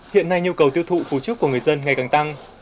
hiện nay nhu cầu tiêu thụ phủ trước của người dân ngày càng tăng